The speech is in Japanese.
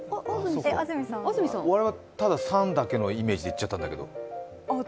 俺はただ３だけのイメージでいっちゃったんだけど。